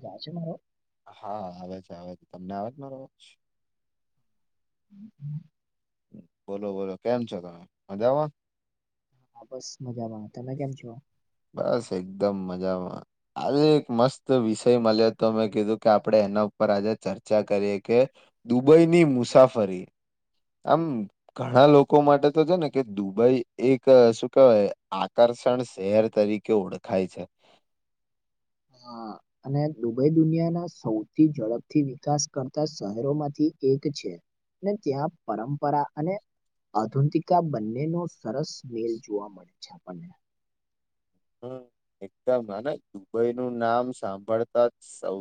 વાર છે મારો હા આવે છે આવે છે તમને આવે છે મારો આવાજ [inaudible] બોલો બોલો કેમ છો તમે મજામાં. હા બસ મજામાં તમે કેમ છો. બસ એકદમ મજામાં આ એક મસ્ત વિષય મળ્યો તો મેં કીધું કે આપડે એના ઉપર આજે ચર્ચા કરીએ કે દુબઈની મુસાફરી આમ ઘણા લોકો માટે તો છે ને કે દુબઈ એક શું કેવાય આકાર ષણ શહેર તરીકે ઓળખાય છે. હા અને દુબઈ દુનિયાના સૌથી ઝડપથી વિકાસ કરતા શહેરોમાંથી એક છે. ને ત્યાં પરંપરા અને આધુતિકા બંનેનો સરસ મેલ જોવા મળે છે આપણને હમ્મ. એકદમ અને દુબઈ નું નામ સાંભળતા સૌ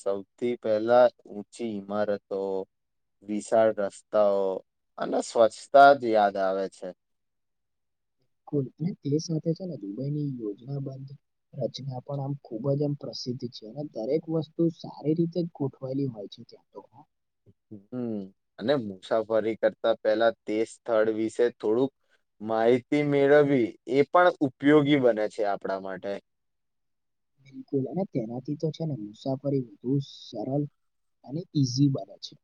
સૌથી પહેલા ઊંચી ઇમારતો વિશાળ રસ્તાઓ અને સ્વચ્છતા જ યાદ આવે છે. [inaudible] પૂલ અને તે સાથે ને દુબઈની યોજના બંધ રચના પણ આમ ખુબ જ એમ પ્ર સીધ છે અને દરેક વસ્તુ સારી રીતે ગોઠવાયેલી હોય છે ત્યાં તો હમ્મ અને મુસાફરી કરતા પેલા તે સ્થળ વિશે થોડુંક માહિતી મેળવવી એ પણ ઉપયોગી બને છે આપણા માટે બિલકુલ અને તેનાથી તો છે ને મુસાફરી વધુ સરલ અને ઈઝી બને છે.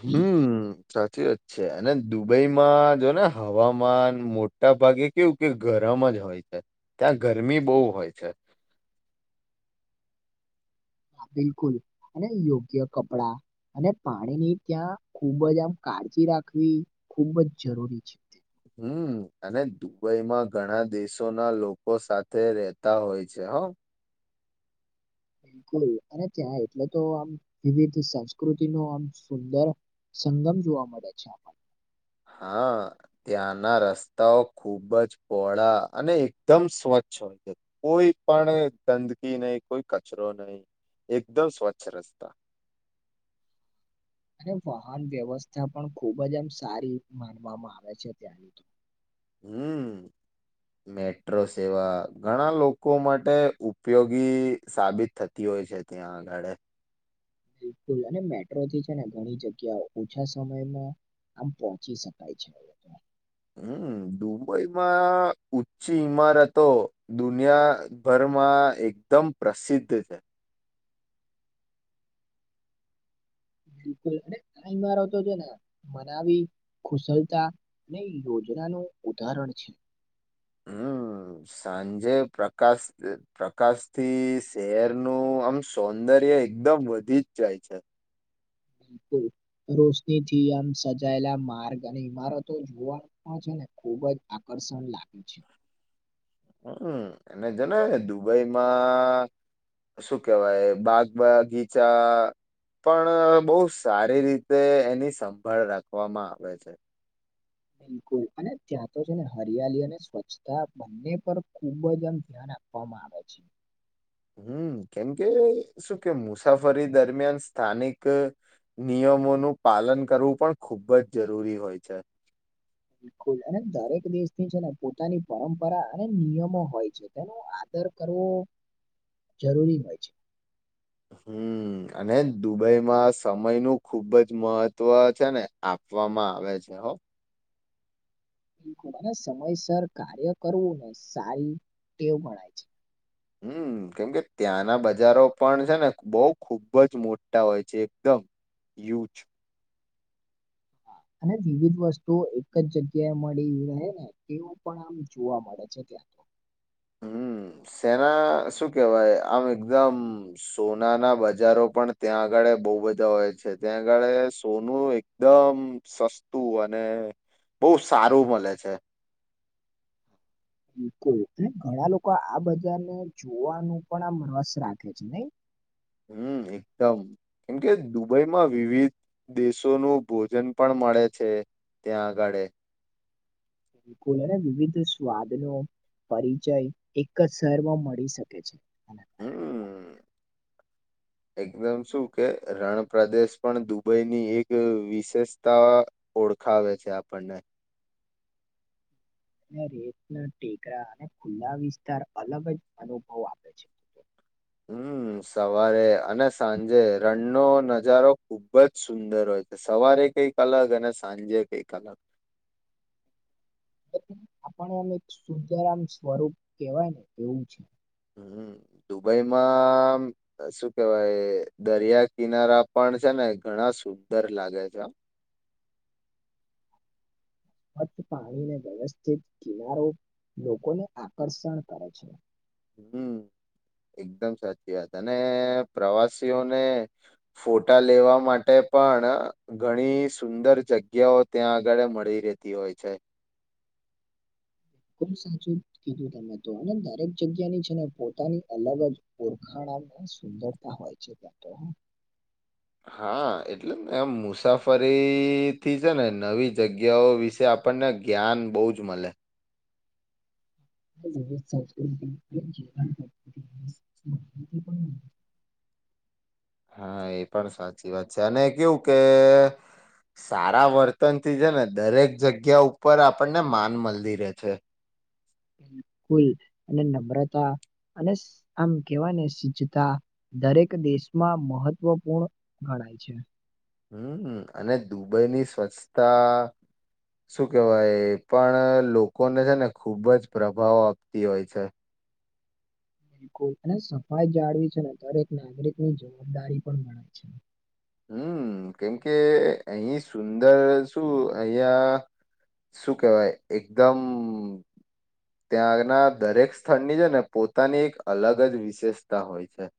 હમ્મ સાચી વાત છે અને દુબઈમાં જો ને હવામાન મોટા ભાગે કેવું કે ગર રમ જ હોય છે ત્યાં ગરમી બહુ હોય છે. હા બિલકુલ અને યોગ્ય કપડા અને પાણીની ત્યાં ખૂબ જ આમ કાળજી રાખવી ખૂબ જ જરૂરી છે. હમ અને દુબઈમાં ઘણા દેશોના લોકો સાથે રેતા હોય છે. હઓ બિલકુલ અને ત્યાં એટલે તો આમ વિવિધ સંસ્કૃતિનુ આમ સુંદર સંગમ જોવા મળે છે આપણ હા ત્યાંના રસ્તાઓ ખુબ જ પોહળા અને એકદમ સ્વચ્છ છ હોય છે કોઈપણ ગંદકી નહી કોઈ કચરો નય એકદમ સ્વચ્છ રસ્તા અને વાહન વ્યવસ્થા પણ ખૂબજ એમ સારી માનવામાં આવે છે ત્યાની તો હમ મેટ્રો સેવા ઘણા લોકો માટે ઉપયોગી સાબિત થતી હોય છે. ત્યા આગાડે બિલકુલ અને મેટ્રોથી છે ને ઘણી જગ્યા ઓછા સમયમાં આમ પહોંચી શકાય છે. હમ દુબઈમાં ઉંચી ઈમારતો દુનિયા ભર માં એકદમ પ્રસિદ્ધ છે. બિલકુલ અને આ ઇમારો તો છે ને મનાવી કુશલતા ને યોજનાનું ઉદાહરણ છે. હમ સાંજે પ્રકાશ પ્રકાશથી શહેરનું આમ સૌંદ દર્ય એકદમ વધી જ જાય છે. બિલકુલ રોશનીથી આમ સજાયેલા માર્ગ અને ઈમારતો જોવાનું પણ છે ને ખુબજ આકર્ષણ લાગ્યું છે. હમ અને જને દુબઈમાં શું કેવાય બાગ બગીચા પણ બહુ સારી રીતે એની સંભાળ રાખવામાં આવે છે. બિલકુલ અને ત્યાં તો છે ને હરિયાલી અને સ્વચ્છતા બંને પર ખુબજ એમ ધ્યાન આપ પવામાં આવે છે. હમ કેમકે શું કે મુસાફરી દરમિયાન સ્થાનિક નિયમોનું પાલન કરવું પણ ખૂબજ જરૂરી હોય છે. બિલકુલ અને દરેક દેશની છે ને પોતાની પરંપરા અને નિયમો હોય છે તેનું આ દર કરવો જરૂરી હોય છે. હમ અને દુબઈમાં સમયનુ ખુબજ મહત્વ છે ને આપ આપવામાં આવે છે હ બીલકુલ અને સમયસર કાર્ય કરવું ને સારી ટેવ ગણાય છે. હમ કેમ કે ત્યાંના બજારો પણ છે ને બોવ ખુબજ મોટા હોય છે એકદમ યૂજ [inaudible] અને વિવિધ વસ્તુઓ એક જ જગ્યાએ મળી રહે ને તેવુ પણ આમ જોવા મળે છે ત્યાં તો [inaudible] હમ સેના શું કેવાય આમ એકદમ સોનાના બજારો પણ ત્યાં આગળ બોવ બધા હોય છે ત્યાં આગળે સોનું એકદમ સસ્તું અને બોવ સારું મળે છે. બિલકુલ ઘણા લોકો આ બજારને જોવાનું પણ આમ રસ રાખે છે નય હમ એકદમ કેમકે દુબઈમાં વિવિધ દેશોનું ભોજન પણ મળે છે. ત્યાં આગાડે બિલકુલ અને વિવિધ સ્વાદનો પરિચય એક જ શહેરમાં મળી શકે છે આના કારણે હમ [inaudible] એકદમ શું કે રણ પ્રદેશ પણ દુબઈની એક વિશેષતા ઓળખાવે છે આપણને ને રેતના ટેકરા અને ખુલ્લા વિસ્તાર અલગ જ અનુભવ આપે છે. હમ સવારે અને સાંજે રણનોો નજારો ખુબ જ સુંદર હોય છે સવારે કઈક અલગ અને સાંજે કઈક અલગ આપણે એમ એક શદ્ધારામ સ્વરૂપ કેવાય ને એવું છે હમ દુબઈમાં શું કેવાય દરિયા કિનારા પણ છે ને ઘણા સુંદર લાગે છે સ્ચ્છ પાણીને વ્યવસ્થિત કિનારો લોકોને આકર્ષણ કરે છે હમ એકદમ સાચી વાત અને પ્રવાસીઓને ફોટા લેવા માટે પણ ઘણી સુંદર જગ્યાઓ ત્યાં આગળ મળી રહેતી હોય છે [inaudible] ખૂબ સાચું કીધું તમે તો અને દરેક જગ્યાની છે ને પોતાની અલગ જ ઓરખાણમાં સુંદરતા હોય છે બે [inaudible] હા એટલેને એમ મુસાફરીથી છે ને નવી જગ્યાઓ વિશે આપ આપણને જ્ઞાન બહુ જ મળે સંસ્કૃ અને હા એ પણ સાચી વાત છે અને કેવું કે સારા વર્તનથી છે ને દરેક જગ્યા ઉપર આપણને માન મલ્િરે છે બિલકુલ અને નમ્રતા અને આમ કેવા ને સિ્તા દરેક દેશમાં મહત્વપૂર્ણ છે હમ અને દુબઈની સ્વચ્છતા શું કેહેવાય એ પણ લોકોને છે ને ખૂબ જ પ્રભાવ આપતી હોય છે બિલકુલ અને સફાઈ જાળવી છે ને દરેક નાગરિક ની જવાબદારી પણ મળે છે હમ કેમ કે અહી સુંદર શું અહયા શું કેહેવાય એકદમ ત્યાં આના દરેક સ્થળની છે ને પોતાની એક અલગ જ વિશેષતા હોય છે [inaudible]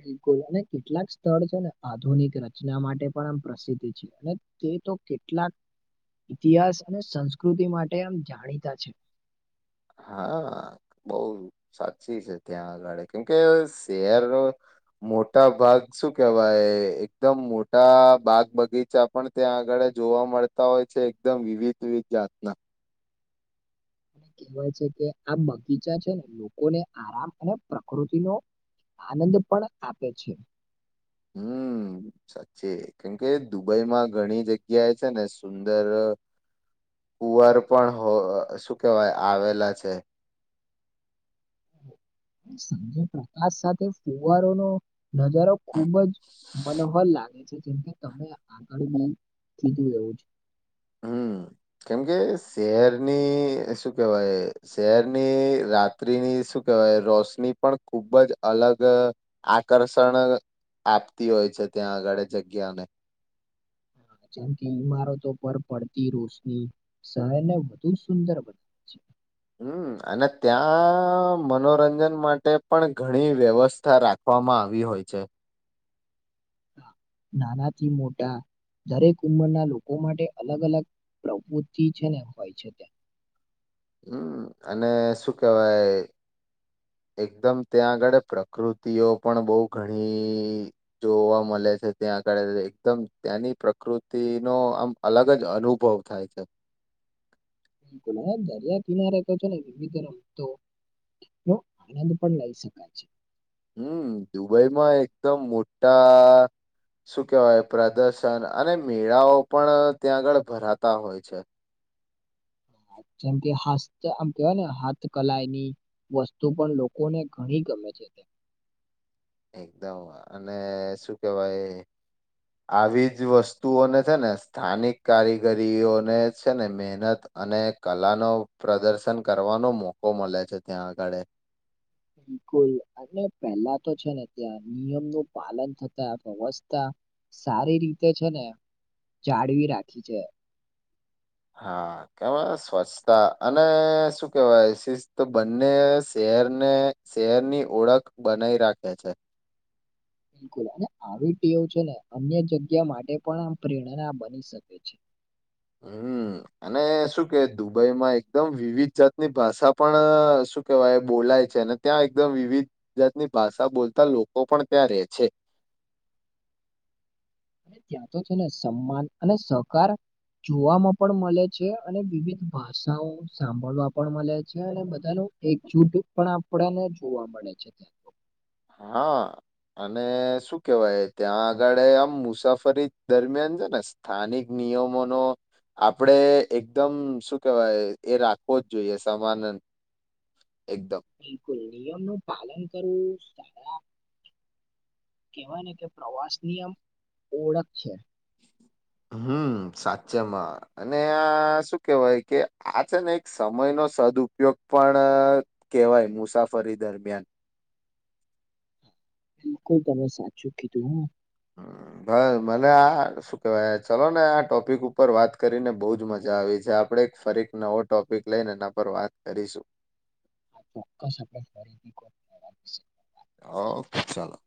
બિલકુલ અને કેટલાક સ્થળ છે ને આધુનિક રચના માટે પણ આમ પ્રસિદ્ધ છ અને એ તો કેટલાક ઇતિહાસ અને સંસ્કૃતિ માટે આમ જાણીતા છે હા બહ સાચી છે ત્યાં આગડે કેમકે શહેરનો મોટા ભાગ શું કેવાય એકદમ મોટા બાગ બગીચા પણ ત્યાં આગળ જોવા મળતા હોય છે એકદમ વિવિધ વી જાતના અને કહેવાય છે કે આ બગીચા છે ને લોકોને આરામ અને પ્રકૃતિનોો આનંદ પણ આપે છે હમ સાચી કેમકે દુબઈમાં ઘણી જગ્યા એ છે ને સુંદર કુવાર પણ શું કહેવાય આવેલા છે [inaudible] સંજય પ્રકાશ સાથે ફુવારો નો નજારો ખુબ જ મનોહલ લાગે છે કેમકે તમે આગળ બ કીધું રહવું છે હમ કેમ કે શહેરની શું કેવાય શહેરની રાત્રિની શું કેવાય રોશની પણ ખુબ જ અલગ આકર્ષણ આપતી હોય છે ત્યાં આગળ જગ્યાને હા, જેમ કે ઈમારતો પર પડતી રોશની શહેરને વધુ સુંદર બનાવે છે. હમ્મ, અને ત્યાં મનોરંજન માટે પણ ઘણી વ્યવસ્થા રાખવા વામાં આવી હોય છે. નાનાથી મોટા દરેક ઉંમરના લોકો માટે અલગ-અલગ પ્રભુતિ છે, ને એમ હોય છે ત્યા હમ્મ અને શું કેહેવાય એકદમ ત્યાં આગળ પ્રકૃતિઓ પણ બહ ઘણી જોવા મળે છે. ત્યાં આગળ એકદમ ત્યાંની પ્રકૃતિનો આમ અલગ જ અનુભવ થાય છે. [inaudible] ગોવા દરિયા કિનારે તો વિવિધ રમતો નો આનંદ પણ લઈ શકાય છે. હમ્મ, દુબઈમાં એકદમ મોટા શું કેહેવાય પ્રદર્શન અને મેળાઓબી પણ ત્યાં આગળ ભરાતા હોય છે. એમ કે હસ્ત આમ કેવાય ને હાથ કલાયની વસ્તુ પણ લોકોને ઘણી ગમે છે, તે એકદમ અને શું કેવાય આવી જ વસ્તુઓને છે, ને સ્થાનિક કારીગરીઓને છે, ને મહેનત અને કલાનો પ્રદર્શન કરવાનો મોકો મળે છે. ત્યાં આગળ બિલકુલ અને પહેલા તો છે, ને ત્યાં નિયમનું પાલન થતા વ્યવસ્થા સારી રીતે છે, ને જાળવી રાખી છે. હા, કેવાય સ્વચ્છતા અને શું કેવાય શિસ્ત બંને શરને શહેરની ઓળખ બનાવી રાખે છે. બિલકુલ અને આવી ટેવ છે, ને અન્ય જગ્યા માટે પણ આમ પ્રેરણા બની શકે છે. હમ્મ અને શું કે દુબઈમાં એકદમ વિવિધ જાતની ભાષા પણ શું કેહેવાય બોલાય છે, અને ત્યાં એકદમ વિવિધ જાતની ભાષા બોલતા લોકો પણ ત્યાં રે છે. [inaudible] અને ત્યાં તો છે, ને સન્માન અને સહકાર જોવાવામાં પણ મળે છે, અને વિવિધ ભાષાઓ સાંભળવા પણ મળે છે. અને બધા ન એકજૂટ પણ આપણને જોવા મળે છે. ત હા. અને શું કેવાય ત્યાં આગળ આમ મુસાફરી દરમિયાન છે, ને સ્થાનિક નિયમનો આપડે એકદમ શું કેહેવાય એ રાખવો જ જોઈએ, સમાનંદ બિલકુલ, નિયમનું પાલન કરવું સારા કહેવાને કે પ્રવાસ નિયમ એ ઓળખ છે. હમ, સાચે માં અને આ શું કેવાય કે આ છે ને એક સમયનો સદ ઉપયોગ પણ કેવાય મુસાફરી દરમિયાન. બિલકુલ તમે સાચું કીધું, હું હા. ભઈ મને આ શું કેવાય ચલોને આ ટોપિક ઉપર વાત કરીને બહ જ મજા આવી છે. પડે એક ફરી એક નવો ટોપિક લઈને એના પર વાત કરીશું. ચોક્કસ આપડે ફરીથી [inaudible] અવ ચાલો.